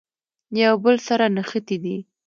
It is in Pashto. یو بل سره نښتي دي.